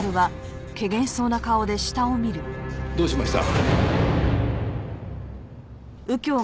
どうしました？